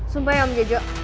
sumpah ya om jojo